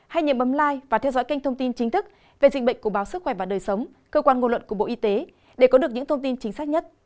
hãy đăng ký kênh của bộ y tế để có những thông tin chính xác nhất